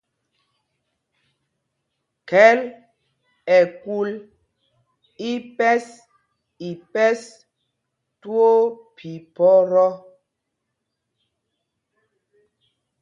Khɛl ɛkul ipɛs ipɛs twóó phiphɔ́tɔ́.